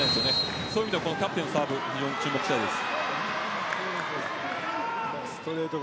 そのあたりはキャプテンのサーブ非常に注目したいです。